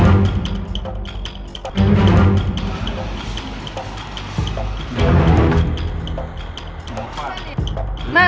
มันก็เดินมา